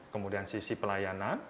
kemudian sisi pelayanan